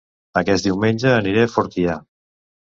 Aquest diumenge aniré a Fortià